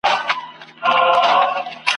چي د ده د ژوند مالي اړتیاوي دي پوره کړي ..